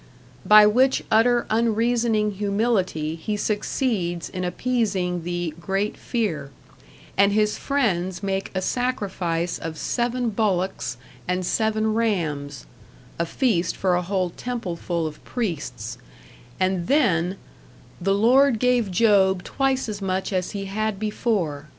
By which utter, unreasoning humility he succeeds in appeasing the Great Fear, and his friends make a sacrifice of seven bullocks and seven rams a feast for a whole templeful of priests and then "the Lord gave Job twice as much as he had before....